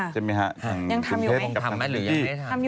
ยังทำอยู่ไหม